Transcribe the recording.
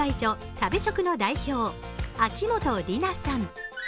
食べチョクの代表、秋元里奈さん。